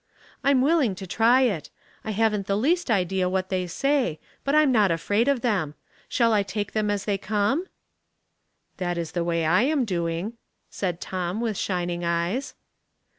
I'm willing to try it. I haven't the least idea what they say ; but I'm not afraid of them. Shall I take them as they come?" "That is the way I am doing," said Tom, with shining eyes.